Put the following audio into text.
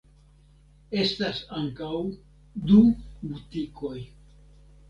Estas ankaŭ du butikoj.